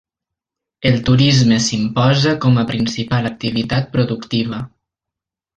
El turisme s'imposa com a principal activitat productiva.